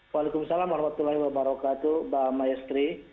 waalaikumsalam warahmatullahi wabarakatuh mbak maestri